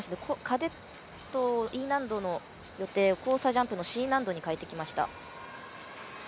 カデット、Ｅ難度の予定を交差ジャンプのＣ難度に変えてきました。